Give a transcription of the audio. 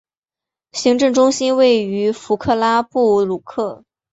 行政中心位于弗克拉布鲁克。